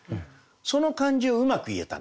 その感じをうまく言えたなと。